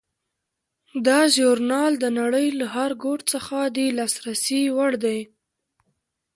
دا ژورنال د نړۍ له هر ګوټ څخه د لاسرسي وړ دی.